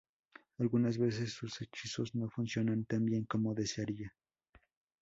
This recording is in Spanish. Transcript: Algunas veces sus hechizos no funcionan tan bien como desearía.